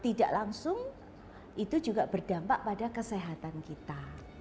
tidak langsung itu juga berdampak pada kesehatan kita